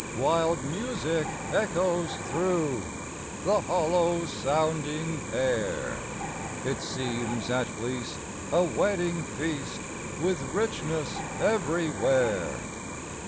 Wild music echoes through The hollow sounding air It seems, at least, a wedding feast With richness everywhere.